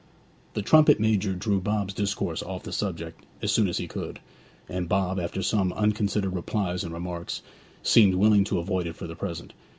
The trumpet major drew Bob's discourse off the subject as soon as he could, and Bob, after some unconsidered replies and remarks, seemed willing to avoid it for the present.